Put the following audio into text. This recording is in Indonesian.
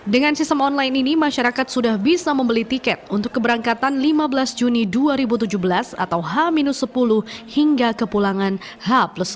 dengan sistem online ini masyarakat sudah bisa membeli tiket untuk keberangkatan lima belas juni dua ribu tujuh belas atau h sepuluh hingga kepulangan h sepuluh